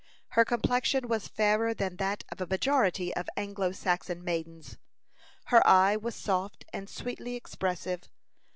Her complexion was fairer than that of a majority of Anglo Saxon maidens. Her eye was soft, and sweetly expressive.